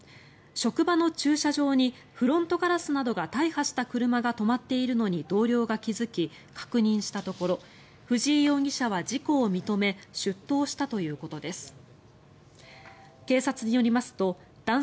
職場の駐車場にフロントガラスなどが大破した車が止まっているのに同僚が気付き確認したところ藤井容疑者は事故を認め出頭したということです。